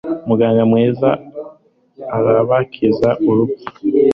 muganga mwiza arabakiza urupfu